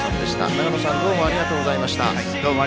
長野さんどうもありがとうございました。